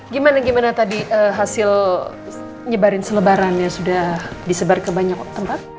gimana gimana tadi hasil nyebarin selebarannya sudah disebar ke banyak tempat